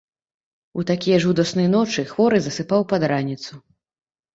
У такія жудасныя ночы хворы засыпаў пад раніцу.